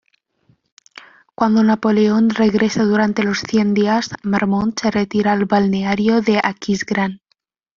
Cuando Napoleón regresa durante los Cien Días, Marmont se retira al balneario de Aquisgrán.